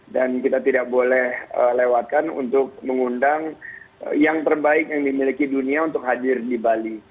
dan kita tidak boleh lewatkan untuk mengundang yang terbaik yang dimiliki dunia untuk hadir di bali